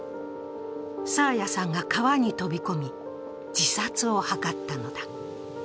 爽彩さんが川に飛び込み、自殺を図ったのだ。